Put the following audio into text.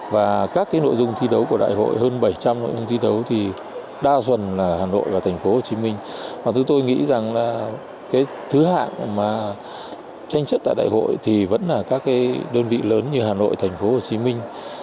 và các cái nội dung thi đấu của đại hội hơn bảy trăm linh